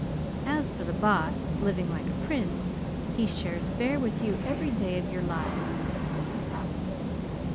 As for the Boss living like a prince, he shares fare with you every day of your lives!"